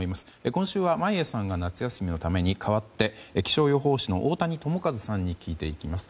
今週は眞家さんが夏休みのため代わって、気象予報士の太谷智一さんに聞いていきます。